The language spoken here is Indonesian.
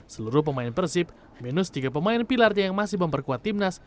seluruh pemain persib minus tiga pemain pilarnya yang masih memperkuat timnas